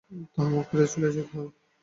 তাঁহাকে মুখ ফিরাইয়া চলিয়া যাইতে হয়।